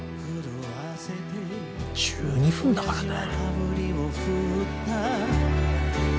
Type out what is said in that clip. １２分だからね。